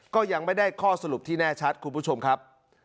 ก็ยังไม่ได้ข้อสรุปที่แน่ชัดคุณผู้ชมครับ